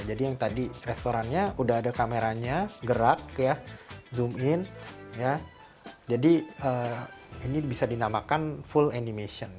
jadi yang tadi restorannya udah ada kameranya gerak ya zoom in ya jadi ini bisa dinamakan full animation